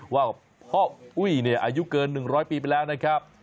ว่าพ่ออุ้ยอายุเกิน๑๐๐ปีไปแล้วนะครับ